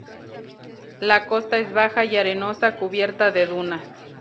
La costa es baja y arenosa, cubierta de dunas.